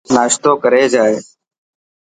ناشتوي ڪري جائي.